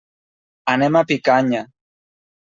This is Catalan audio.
Anem a Picanya.